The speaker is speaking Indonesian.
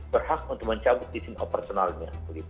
berhak untuk mencabut izin operasionalnya